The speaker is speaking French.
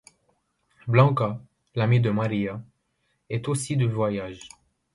Blanca, l'amie de Maria, est aussi du voyage.